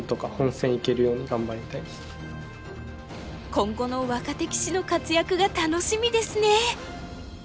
今後の若手棋士の活躍が楽しみですね。